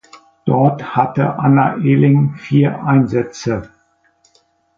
Dort hatte Anna Aehling vier Einsätze.